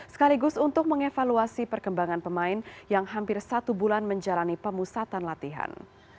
sekaligus untuk mengevaluasi perkembangan pemain yang hampir satu bulan menjalani pemusatan latihan